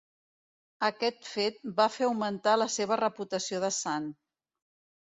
Aquest fet va fer augmentar la seva reputació de sant.